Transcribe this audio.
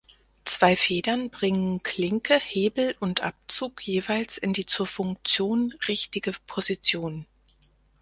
Zwei Federn bringen Klinke, Hebel und Abzug jeweils in die zur Funktion richtige Position.